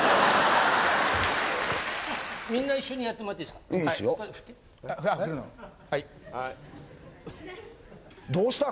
みんな一緒にやってもらっていいいいですよ。